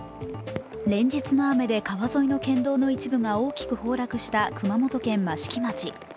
連日の雨で川沿いの県道の一部が大きく崩落した熊本県益城町。